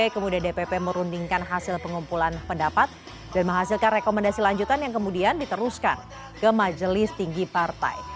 kemudian dpp merundingkan hasil pengumpulan pendapat dan menghasilkan rekomendasi lanjutan yang kemudian diteruskan ke majelis tinggi partai